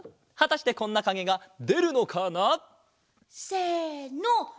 はたしてこんなかげがでるのかな？せの！